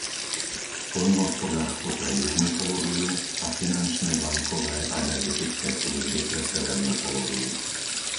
Poľnohospodárstvo pre južnú pologuľu a finančné, bankové a energetické služby pre severnú pologuľu.